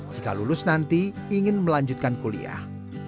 jika lulus nanti ingin melanjutkan kuliah